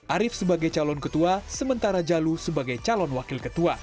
arief sebagai calon ketua sementara jalu sebagai calon wakil ketua